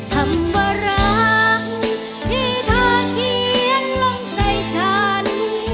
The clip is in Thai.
คำว่ารักที่เธอเขียนลงใจฉัน